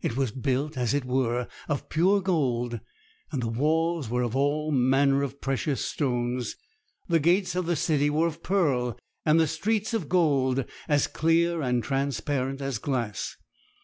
It was built, as it were, of pure gold, and the walls were of all manner of precious stones; the gates of the city were of pearl, and the streets of gold, as clear and transparent as glass.